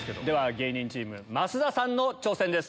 芸人チーム増田さんの挑戦です。